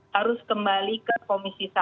harus kembali ke komisi satu